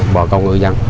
bò công ngư dân